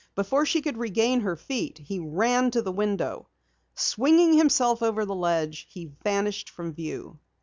Before she could regain her feet, he ran to the window. Swinging himself over the ledge, he vanished from view.